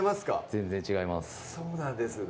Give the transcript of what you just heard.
全然違いますそうなんですね